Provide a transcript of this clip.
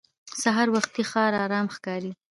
سهار وختي ښار ارام ښکاري